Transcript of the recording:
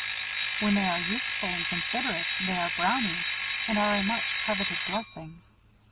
When they are useful and considerate, they are Brownies, and are a much coveted blessing.